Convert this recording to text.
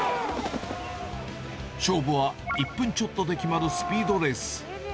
勝負は１分ちょっとで決まるスピードレース。